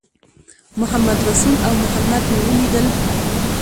محمدرسول او محمد مې ولیدل.